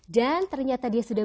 dan ternyata dia sudah